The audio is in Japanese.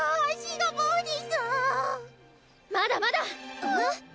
まだまだ！え